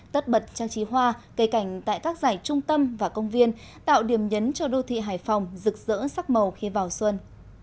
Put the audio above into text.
tất bật trang trí hoa cây cảnh tại các giải trung tâm và công viên tạo điểm nhấn cho đô thị hải phòng rực rỡ sắc màu khi vào xuân